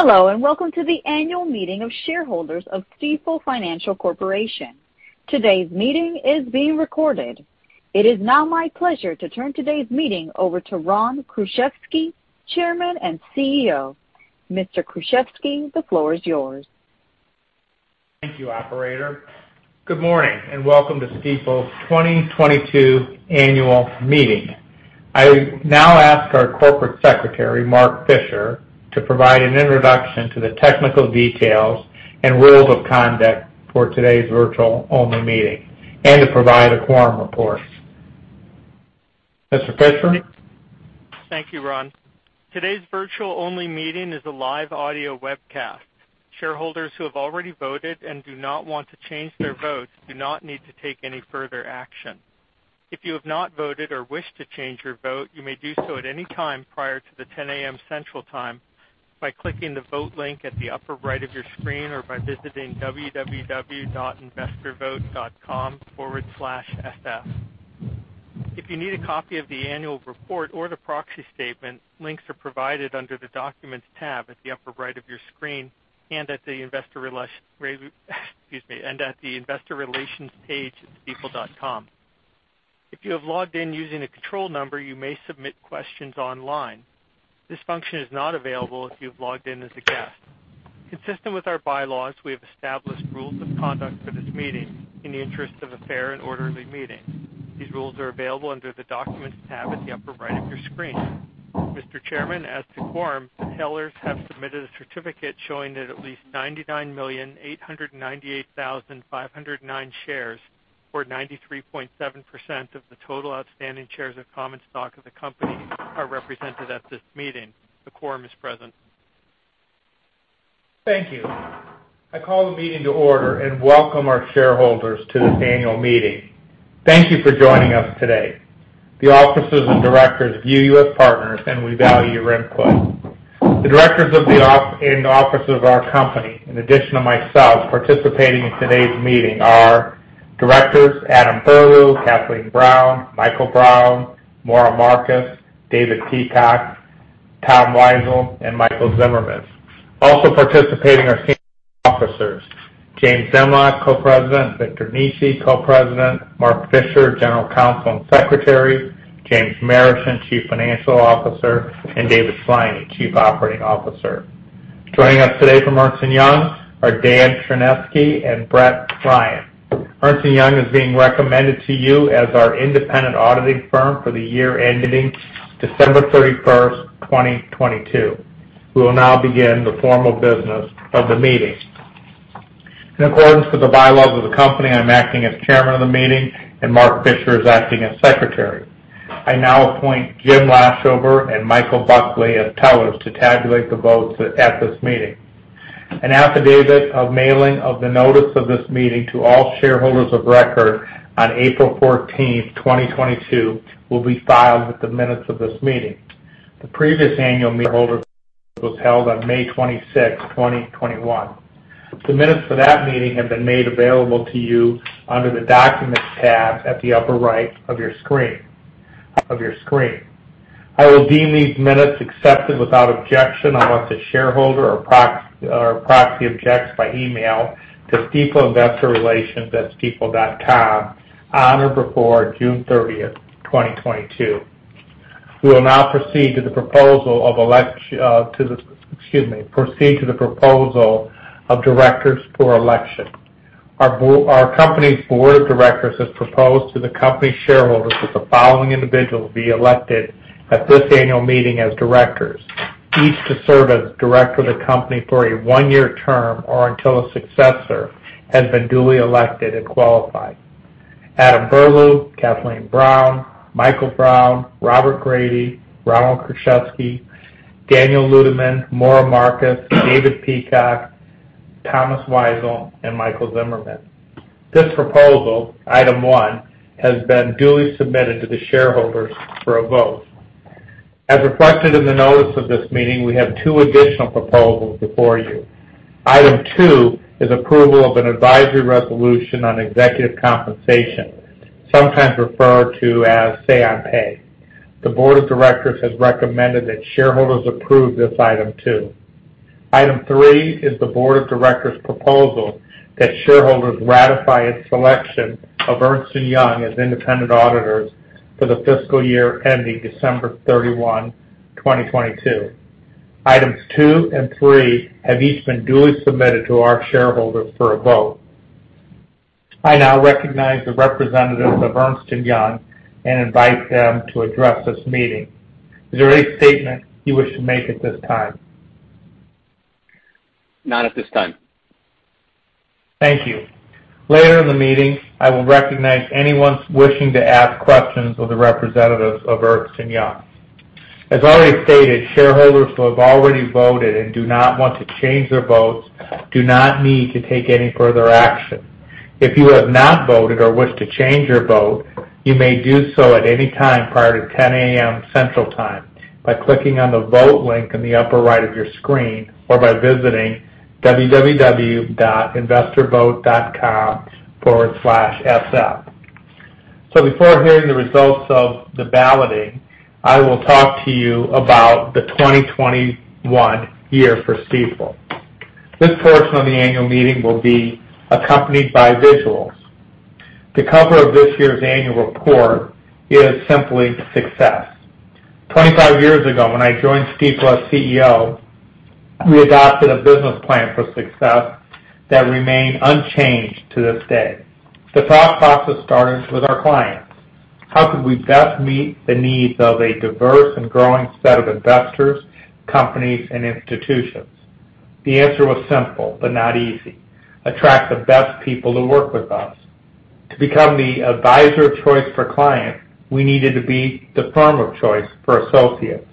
Hello, and welcome to the annual meeting of shareholders of Stifel Financial Corporation. Today's meeting is being recorded. It is now my pleasure to turn today's meeting over to Ron Kruszewski, Chairman and CEO. Mr. Kruszewski, the floor is yours. Thank you, operator. Good morning, and welcome to Stifel's 2022 annual meeting. I now ask our corporate secretary, Mark Fisher, to provide an introduction to the technical details and rules of conduct for today's virtual-only meeting and to provide a quorum report. Mr. Fisher? Thank you, Ron. Today's virtual-only meeting is a live audio webcast. Shareholders who have already voted and do not want to change their votes do not need to take any further action. If you have not voted or wish to change your vote, you may do so at any time prior to 10 A.M. Central Time by clicking the vote link at the upper right of your screen or by visiting www.investorvote.com/sf. If you need a copy of the annual report or the proxy statement, links are provided under the Documents tab at the upper right of your screen and at the investor relations page at stifel.com. If you have logged in using a control number, you may submit questions online. This function is not available if you've logged in as a guest. Consistent with our bylaws, we have established rules of conduct for this meeting in the interest of a fair and orderly meeting. These rules are available under the Documents tab at the upper right of your screen. Mr. Chairman, as to quorum, the tellers have submitted a certificate showing that at least 99,898,509 shares, or 93.7% of the total outstanding shares of common stock of the company are represented at this meeting. The quorum is present. Thank you. I call the meeting to order and welcome our shareholders to this annual meeting. Thank you for joining us today. The officers and directors view you as partners, and we value your input. The directors in the office of our company, in addition to myself, participating in today's meeting are Directors Adam T. Berlew, Kathleen L. Brown, Michael W. Brown, Maura A. Markus, David A. Peacock, Thomas W. Weisel, and Michael J. Zimmerman. Also participating are senior officers James M. Zemlyak, Co-President, Victor Nesi, Co-President, Mark P. Fisher, General Counsel and Secretary, James Marischen, Chief Financial Officer, and David Sliney, Chief Operating Officer. Joining us today from Ernst & Young are Dan Cherneski and Brett Ryan. Ernst & Young is being recommended to you as our independent auditing firm for the year ending December 31, 2022. We will now begin the formal business of the meeting. In accordance with the bylaws of the company, I'm acting as chairman of the meeting, and Mark Fisher is acting as secretary. I now appoint Jim Laschober and Michael Buckley as tellers to tabulate the votes at this meeting. An affidavit of mailing of the notice of this meeting to all shareholders of record on April 14, 2022, will be filed with the minutes of this meeting. The previous annual shareholders meeting was held on May 26, 2021. The minutes for that meeting have been made available to you under the Documents tab at the upper right of your screen. I will deem these minutes accepted without objection unless a shareholder or proxy objects by email to Stifel Investor Relations at stifel.com on or before June 30, 2022. We will now proceed to the proposal to the... Excuse me, proceed to the proposal of directors for election. Our company's board of directors has proposed to the company shareholders that the following individuals be elected at this annual meeting as directors, each to serve as director of the company for a 1 year term or until a successor has been duly elected and qualified. Adam T. Berlew, Kathleen L. Brown, Michael W. Brown, Robert E. Grady, Ronald J. Kruszewski, Daniel J. Ludeman, Maura A. Markus, David A. Peacock, Thomas W. Weisel, and Michael J. Zimmerman. This proposal, item 1, has been duly submitted to the shareholders for a vote. As reflected in the notice of this meeting, we have 2 additional proposals before you. Item 2 is approval of an advisory resolution on executive compensation, sometimes referred to as Say on Pay. The board of directors has recommended that shareholders approve this item 2. Item 3 is the board of directors' proposal that shareholders ratify its selection of Ernst & Young as independent auditors for the fiscal year ending December 31, 2022. Items 2 and 3 have each been duly submitted to our shareholders for a vote. I now recognize the representatives of Ernst & Young and invite them to address this meeting. Is there any statement you wish to make at this time? Not at this time. Thank you. Later in the meeting, I will recognize anyone wishing to ask questions of the representatives of Ernst & Young. As already stated, shareholders who have already voted and do not want to change their votes do not need to take any further action. If you have not voted or wish to change your vote, you may do so at any time prior to 10 A.M. Central Time by clicking on the Vote link in the upper right of your screen or by visiting www.investorvote.com/sf. Before hearing the results of the balloting, I will talk to you about the 2021 year for Stifel. This portion of the annual meeting will be accompanied by visuals. The cover of this year's annual report is simply success. 25 years ago, when I joined Stifel as CEO, we adopted a business plan for success that remained unchanged to this day. The thought process started with our clients. How could we best meet the needs of a diverse and growing set of investors, companies, and institutions? The answer was simple but not easy. Attract the best people to work with us. To become the advisor of choice for clients, we needed to be the firm of choice for associates.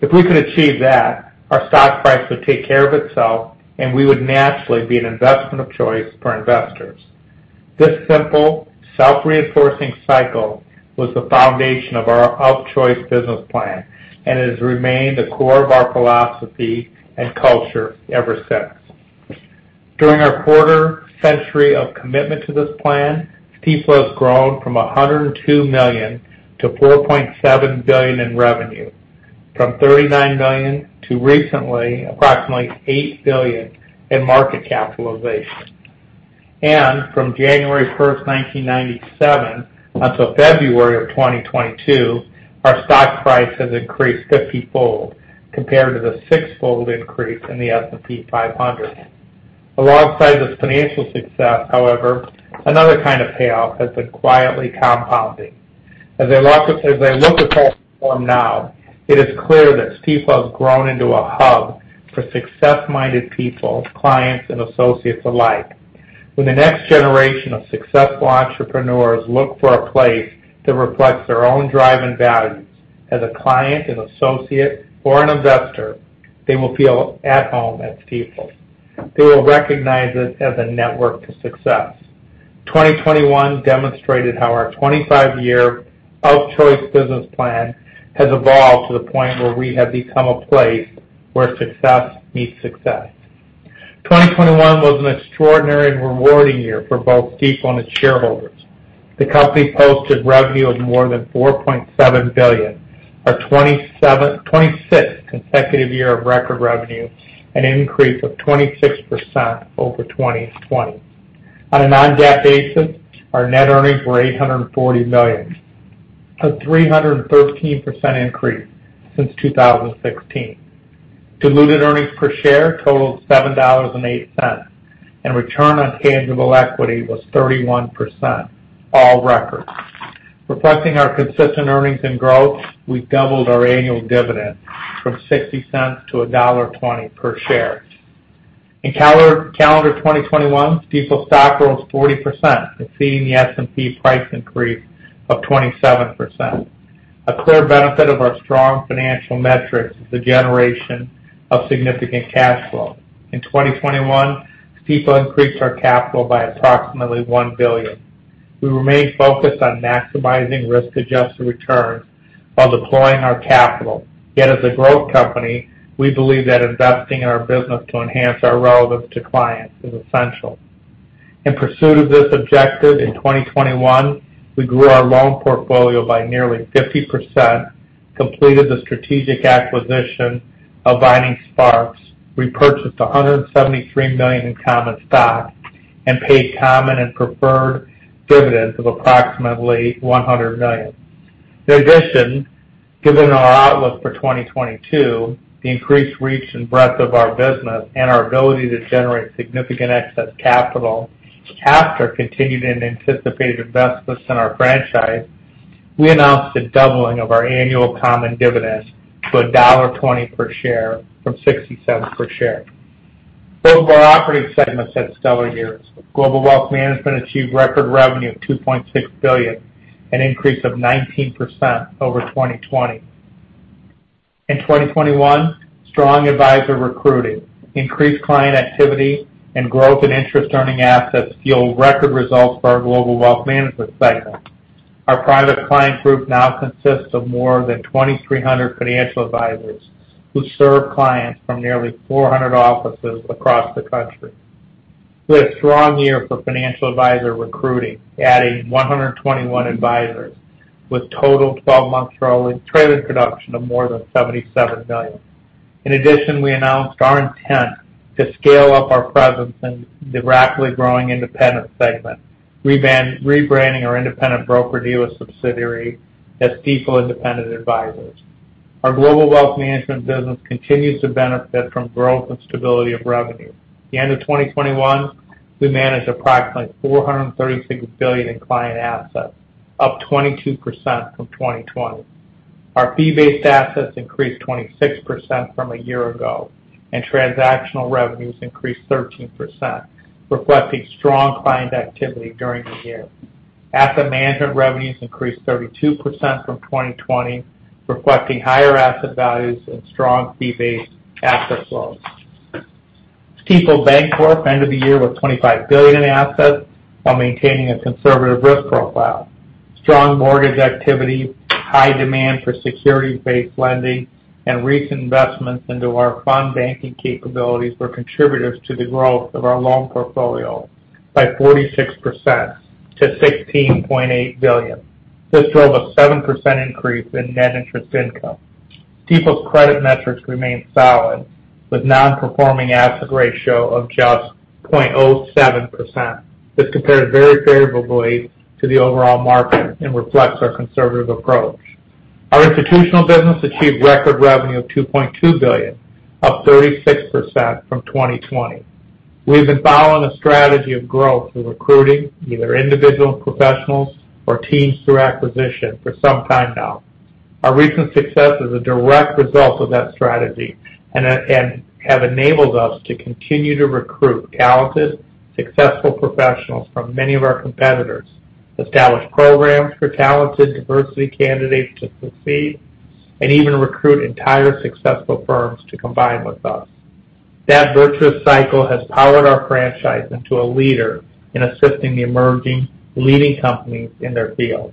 If we could achieve that, our stock price would take care of itself, and we would naturally be an investment of choice for investors. This simple, self-reinforcing cycle was the foundation of our of choice business plan and has remained the core of our philosophy and culture ever since. During our quarter century of commitment to this plan, Stifel has grown from $102 million to $4.7 billion in revenue, from $39 million to recently approximately $8 billion in market capitalization. From January 1, 1997, until February 2022, our stock price has increased 50-fold compared to the 6 fold increase in the S&P 500. Alongside this financial success, however, another kind of payoff has been quietly compounding. As I look at this form now, it is clear that Stifel has grown into a hub for success-minded people, clients, and associates alike. When the next generation of successful entrepreneurs look for a place that reflects their own drive and values as a client, an associate, or an investor, they will feel at home at Stifel. They will recognize it as a network to success. 2021 demonstrated how our 25-year of choice business plan has evolved to the point where we have become a place where success meets success. 2021 was an extraordinary and rewarding year for both Stifel and its shareholders. The company posted revenue of more than $4.7 billion, our 26th consecutive year of record revenue, an increase of 26% over 2020. On a non-GAAP basis, our net earnings were $840 million, a 313% increase since 2016. Diluted earnings per share totaled $7.08, and return on tangible equity was 31%, all records. Reflecting our consistent earnings and growth, we doubled our annual dividend from $0.60 to $1.20 per share. In calendar 2021, Stifel stock rose 40%, exceeding the S&P price increase of 27%. A clear benefit of our strong financial metrics is the generation of significant cash flow. In 2021, Stifel increased our capital by approximately $1 billion. We remain focused on maximizing risk-adjusted returns while deploying our capital. Yet as a growth company, we believe that investing in our business to enhance our relevance to clients is essential. In pursuit of this objective in 2021, we grew our loan portfolio by nearly 50%, completed the strategic acquisition of Vining Sparks, repurchased $173 million in common stock, and paid common and preferred dividends of approximately $100 million. In addition, given our outlook for 2022, the increased reach and breadth of our business and our ability to generate significant excess capital after continued and anticipated investments in our franchise, we announced a doubling of our annual common dividend to $1.20 per share from 60 cents per share. Both of our operating segments had stellar years. Global Wealth Management achieved record revenue of $2.6 billion, an increase of 19% over 2020. In 2021, strong advisor recruiting, increased client activity and growth in interest earning assets fueled record results for our Global Wealth Management segment. Our private client group now consists of more than 2,300 financial advisors who serve clients from nearly 400 offices across the country. We had a strong year for financial advisor recruiting, adding 121 advisors with total 12-month rolling trailer production of more than $77 million. In addition, we announced our intent to scale up our presence in the rapidly growing independent segment, rebranding our independent broker-dealer subsidiary as Stifel Independent Advisors. Our global wealth management business continues to benefit from growth and stability of revenue. At the end of 2021, we managed approximately $436 billion in client assets, up 22% from 2020. Our fee-based assets increased 26% from a year ago, and transactional revenues increased 13%, reflecting strong client activity during the year. Asset management revenues increased 32% from 2020, reflecting higher asset values and strong fee-based asset flows. Stifel Bank ended the year with $25 billion in assets while maintaining a conservative risk profile. Strong mortgage activity, high demand for security-based lending and recent investments into our fund banking capabilities were contributors to the growth of our loan portfolio by 46% to $16.8 billion. This drove a 7% increase in net interest income. Our credit metrics remain solid, with non-performing asset ratio of just 0.07%. This compares very favorably to the overall market and reflects our conservative approach. Our institutional business achieved record revenue of $2.2 billion, up 36% from 2020. We've been following a strategy of growth through recruiting either individual professionals or teams through acquisition for some time now. Our recent success is a direct result of that strategy and have enabled us to continue to recruit talented, successful professionals from many of our competitors, establish programs for talented diversity candidates to succeed, and even recruit entire successful firms to combine with us. That virtuous cycle has powered our franchise into a leader in assisting the emerging leading companies in their field.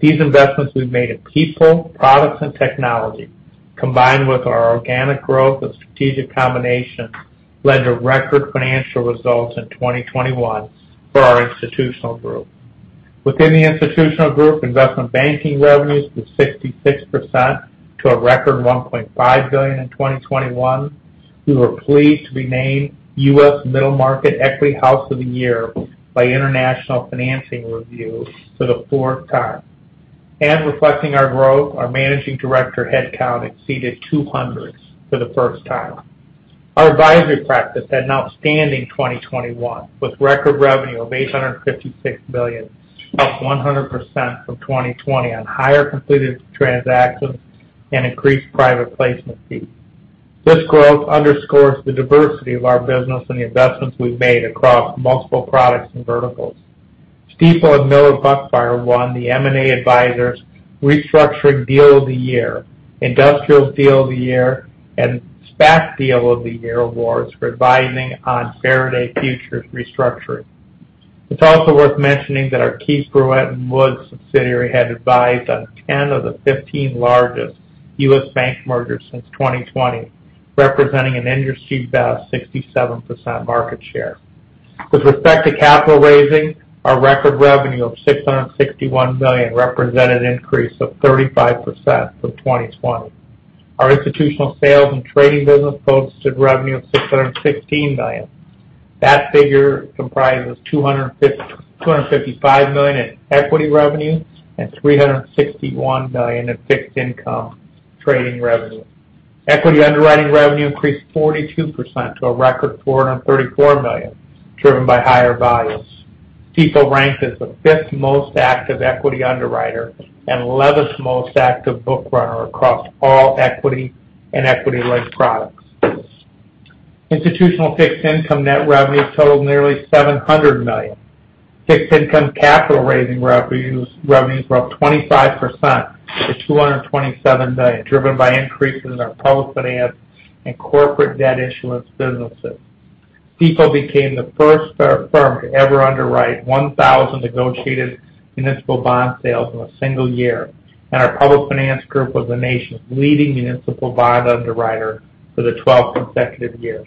These investments we've made in people, products, and technology, combined with our organic growth of strategic combinations, led to record financial results in 2021 for our institutional group. Within the institutional group, investment banking revenues was 66% to a record $1.5 billion in 2021. We were pleased to be named U.S. Middle-Market Equity House of the Year by International Financing Review for the fourth time. Reflecting our growth, our managing director headcount exceeded 200 for the first time. Our advisory practice had an outstanding 2021, with record revenue of $856 million, up 100% from 2020 on higher completed transactions and increased private placement fees. This growth underscores the diversity of our business and the investments we've made across multiple products and verticals. Stifel and Miller Buckfire won The M&A Advisor Restructuring Deal of the Year, Industrial Deal of the Year, and SPAC Deal of the Year awards for advising on Faraday Future's restructuring. It's also worth mentioning that our Keefe, Bruyette & Woods subsidiary had advised on 10 of the 15 largest U.S. bank mergers since 2020, representing an industry-best 67% market share. With respect to capital raising, our record revenue of $661 million represented an increase of 35% from 2020. Our institutional sales and trading business posted revenue of $616 million. That figure comprises $255 million in equity revenue and $361 million in fixed income trading revenue. Equity underwriting revenue increased 42% to a record $434 million, driven by higher volumes. Stifel ranked as the fifth most active equity underwriter and eleventh most active book runner across all equity and equity-like products. Institutional fixed income net revenue totaled nearly $700 million. Fixed income capital raising revenues were up 25% to $227 million, driven by increases in our public finance and corporate debt issuance businesses. Stifel became the first firm to ever underwrite 1,000 negotiated municipal bond sales in a single year, and our public finance group was the nation's leading municipal bond underwriter for the 12th consecutive year.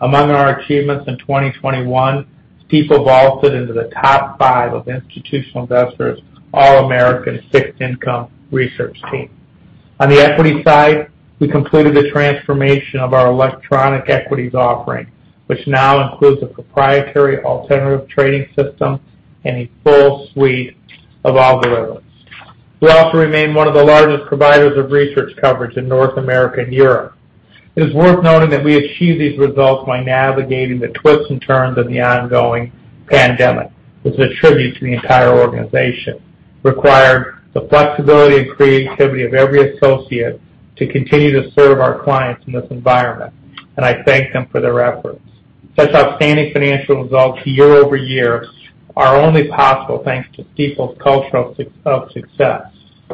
Among our achievements in 2021, Stifel vaulted into the top 5 of Institutional Investor’s All-American Fixed Income Research Team. On the equity side, we completed the transformation of our electronic equities offering, which now includes a proprietary alternative trading system and a full suite of algorithms. We also remain one of the largest providers of research coverage in North America and Europe. It is worth noting that we achieved these results by navigating the twists and turns of the ongoing pandemic. This is a tribute to the entire organization, required the flexibility and creativity of every associate to continue to serve our clients in this environment, and I thank them for their efforts. Such outstanding financial results year over year are only possible thanks to Stifel's culture of success.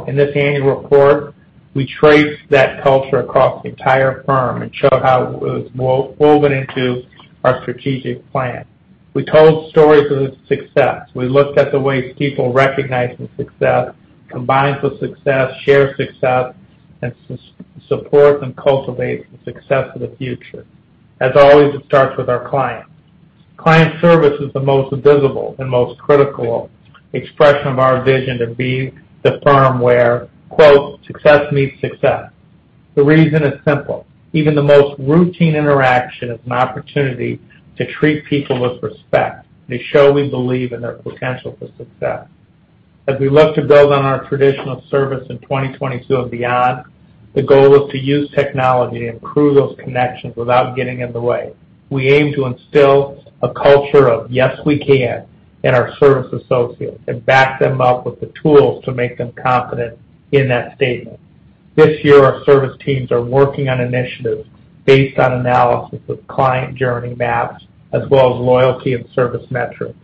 In this annual report, we traced that culture across the entire firm and showed how it was woven into our strategic plan. We told stories of success. We looked at the ways Stifel recognizes success, combines with success, shares success, and supports, and cultivates the success of the future. As always, it starts with our clients. Client service is the most visible and most critical expression of our vision to be the firm where "Success meets success." The reason is simple. Even the most routine interaction is an opportunity to treat people with respect, to show we believe in their potential for success. As we look to build on our traditional service in 2022 and beyond, the goal is to use technology to improve those connections without getting in the way. We aim to instill a culture of yes, we can in our service associates and back them up with the tools to make them confident in that statement. This year, our service teams are working on initiatives based on analysis of client journey maps, as well as loyalty and service metrics.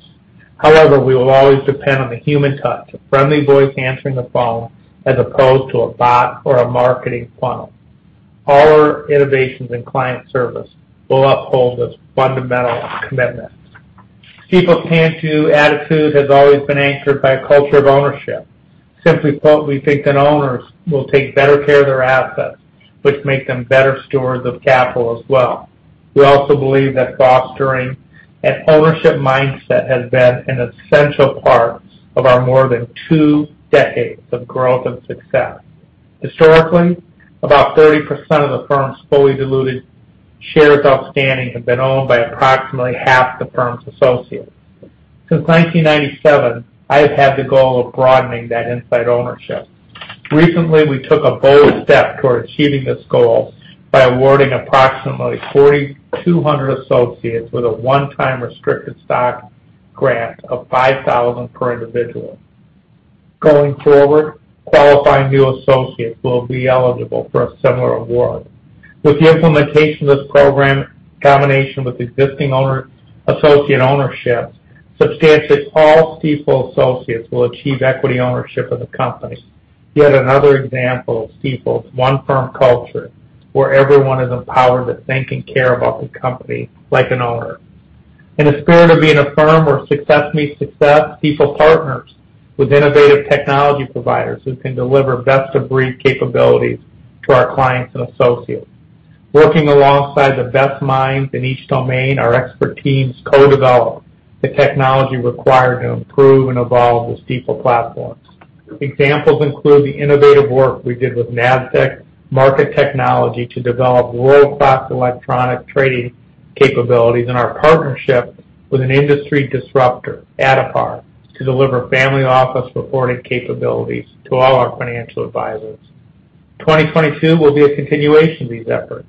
However, we will always depend on the human touch, a friendly voice answering the phone, as opposed to a bot or a marketing funnel. All our innovations in client service will uphold this fundamental commitment. Stifel's can-do attitude has always been anchored by a culture of ownership. Simply put, we think that owners will take better care of their assets, which make them better stewards of capital as well. We also believe that fostering an ownership mindset has been an essential part of our more than 2 decades of growth and success. Historically, about 30% of the firm's fully diluted shares outstanding have been owned by approximately half the firm's associates. Since 1997, I have had the goal of broadening that inside ownership. Recently, we took a bold step toward achieving this goal by awarding approximately 4,200 associates with a one-time restricted stock grant of 5,000 per individual. Going forward, qualifying new associates will be eligible for a similar award. With the implementation of this program, combination with existing associate ownership, substantially all Stifel associates will achieve equity ownership of the company. Yet another example of Stifel's one firm culture where everyone is empowered to think and care about the company like an owner. In the spirit of being a firm where success meets success, Stifel partners with innovative technology providers who can deliver best-of-breed capabilities to our clients and associates. Working alongside the best minds in each domain, our expert teams co-develop the technology required to improve and evolve the Stifel platforms. Examples include the innovative work we did with Nasdaq Market Technology to develop world-class electronic trading capabilities and our partnership with an industry disruptor, Addepar, to deliver family office reporting capabilities to all our financial advisors. 2022 will be a continuation of these efforts.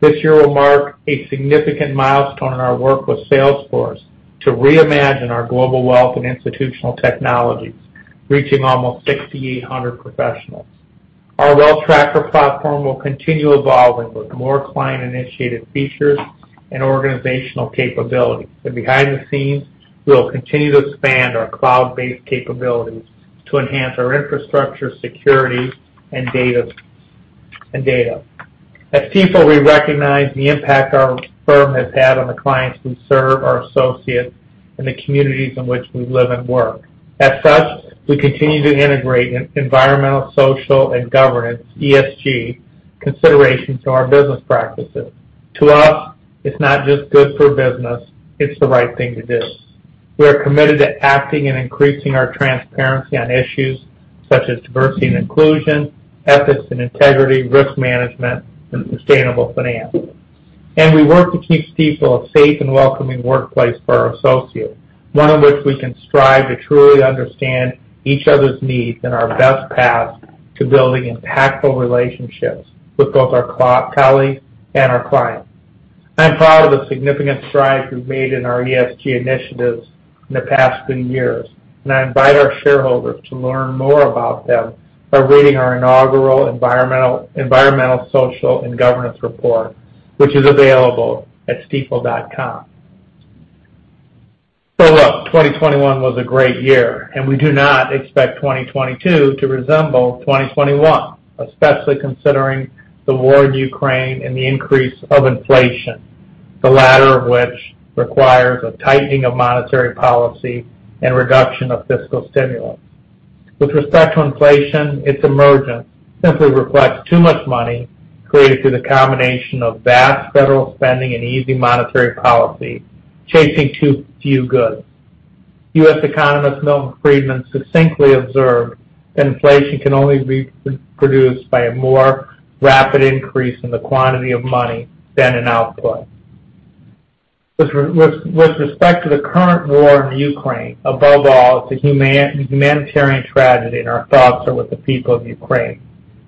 This year will mark a significant milestone in our work with Salesforce to reimagine our global wealth and institutional technologies, reaching almost 6,800 professionals. Our WealthTracker platform will continue evolving with more client-initiated features and organizational capabilities. Behind the scenes, we will continue to expand our cloud-based capabilities to enhance our infrastructure security and data. At Stifel, we recognize the impact our firm has had on the clients we serve, our associates, and the communities in which we live and work. As such, we continue to integrate environmental, social, and governance, ESG considerations into our business practices. To us, it's not just good for business, it's the right thing to do. We are committed to acting and increasing our transparency on issues such as diversity and inclusion, ethics and integrity, risk management, and sustainable finance. We work to keep Stifel a safe and welcoming workplace for our associates, one in which we can strive to truly understand each other's needs and our best path to building impactful relationships with both our colleagues and our clients. I'm proud of the significant strides we've made in our ESG initiatives in the past few years, and I invite our shareholders to learn more about them by reading our inaugural environmental, social, and governance report, which is available at stifel.com. Look, 2021 was a great year, and we do not expect 2022 to resemble 2021, especially considering the war in Ukraine and the increase of inflation, the latter of which requires a tightening of monetary policy and reduction of fiscal stimulus. With respect to inflation, its emergence simply reflects too much money created through the combination of vast federal spending and easy monetary policy chasing too few goods. U.S. economist Milton Friedman succinctly observed that inflation can only be produced by a more rapid increase in the quantity of money than in output. With respect to the current war in Ukraine, above all, it's a humanitarian tragedy, and our thoughts are with the people of Ukraine.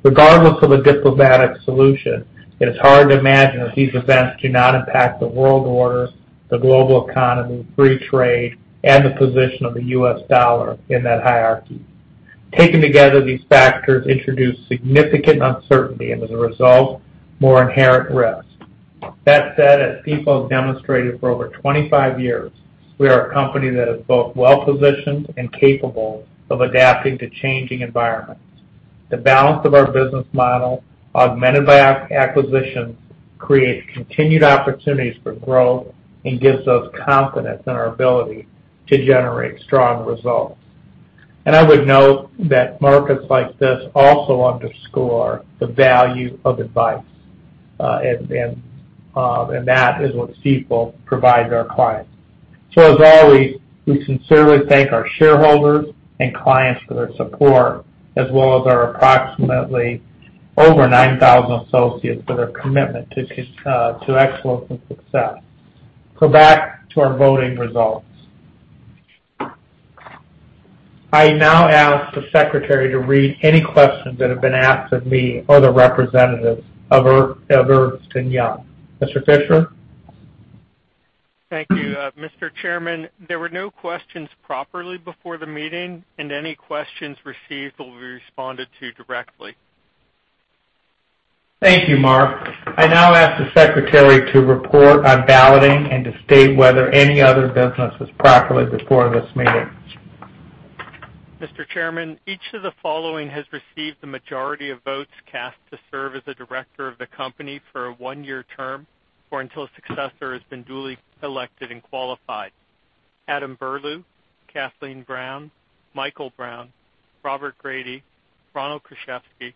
Regardless of a diplomatic solution, it is hard to imagine that these events do not impact the world order, the global economy, free trade, and the position of the U.S. dollar in that hierarchy. Taken together, these factors introduce significant uncertainty and, as a result, more inherent risk. That said, as Stifel has demonstrated for over 25 years, we are a company that is both well-positioned and capable of adapting to changing environments. The balance of our business model, augmented by acquisitions, creates continued opportunities for growth and gives us confidence in our ability to generate strong results. I would note that markets like this also underscore the value of advice, and that is what Stifel provides our clients. As always, we sincerely thank our shareholders and clients for their support, as well as our approximately over 9,000 associates for their commitment to excellence and success. Back to our voting results. I now ask the Secretary to read any questions that have been asked of me or the representatives of Ernst & Young. Mr. Fisher? Thank you. Mr. Chairman, there were no questions properly before the meeting, and any questions received will be responded to directly. Thank you, Mark. I now ask the Secretary to report on balloting and to state whether any other business was properly before this meeting. Mr. Chairman, each of the following has received the majority of votes cast to serve as a director of the company for a 1 year term or until a successor has been duly elected and qualified. Adam T. Berlew, Kathleen L. Brown, Michael W. Brown, Robert E. Grady, Ronald J. Kruszewski,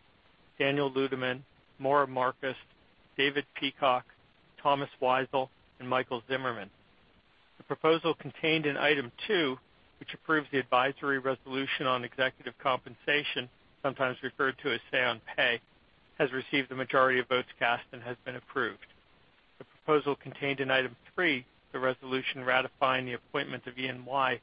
Daniel J. Ludeman, Maura A. Markus, David A. Peacock, Thomas W. Weisel, and Michael J. Zimmerman. The proposal contained in item 2, which approves the advisory resolution on executive compensation, sometimes referred to as Say on Pay, has received the majority of votes cast and has been approved. The proposal contained in item 3, the resolution ratifying the appointment of E&Y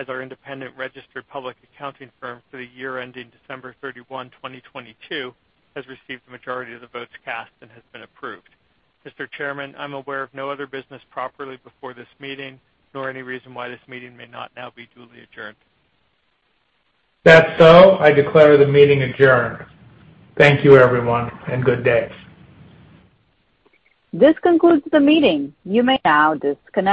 as our independent registered public accounting firm for the year ending December 31, 2022, has received the majority of the votes cast and has been approved. Mr. Chairman, I'm aware of no other business properly before this meeting, nor any reason why this meeting may not now be duly adjourned. If that's so, I declare the meeting adjourned. Thank you, everyone, and good day. This concludes the meeting. You may now disconnect.